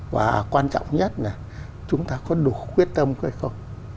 và quan trọng nhất là chúng ta có đủ quyết tâm hay không